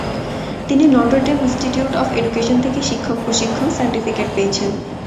তিনি Notre Dame Institute of Education থেকে শিক্ষক প্রশিক্ষণ সার্টিফিকেট পেয়েছেন।